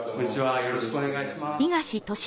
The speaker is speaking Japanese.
よろしくお願いします。